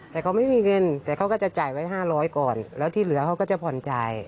แต่เขาไม่มีเงินแต่เขาก็จะจ่ายไว้๕๐๐ก่อนแล้วที่เหลือเขาก็จะผ่อนจ่าย